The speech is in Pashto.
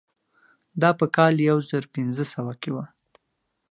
دا په کال یو زر پنځه سوه کې وه.